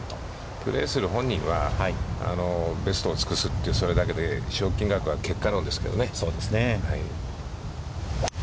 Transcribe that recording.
プレーする本人は、ベストを尽くすというそれだけで賞金額は結果論ですけどね。